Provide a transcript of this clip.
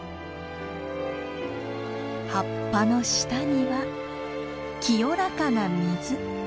葉っぱの下には清らかな水。